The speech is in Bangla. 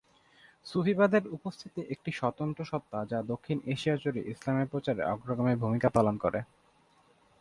সুফিবাদের উপস্থিতি একটি স্বতন্ত্র সত্ত্বা যা দক্ষিণ এশিয়া জুড়ে ইসলামের প্রচারে অগ্রগামী ভূমিকা পালন করে।